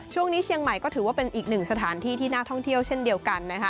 ช่วงนี้เชียงใหม่ก็ถือว่าเป็นอีกหนึ่งสถานที่ที่น่าท่องเที่ยวเช่นเดียวกันนะคะ